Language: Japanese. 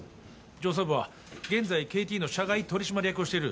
上層部は現在ＫＴの社外取締役をしている